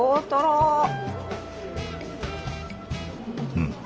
うん。